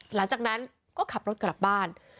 หลังจากนั้นก็ขับรถกลับบ้าน